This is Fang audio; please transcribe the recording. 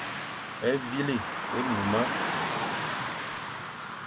Vîle éimuma.